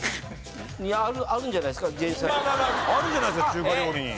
あるじゃないですか中華料理に。